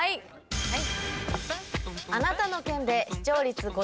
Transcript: はい。